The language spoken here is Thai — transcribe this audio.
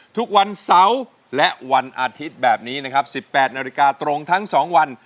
ทุกวันเสาร์และวันอาทิตย์แบบนี้นะครับ๑๘นาฬิกาตรงทั้ง๒วัน